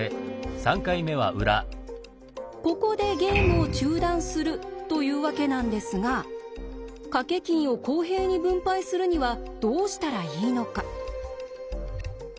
ここでゲームを中断するというわけなんですが賭け金を公平に分配するにはどうしたらいいのか。